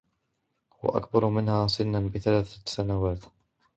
هو أكبر منها سنا بثلاث سنوات.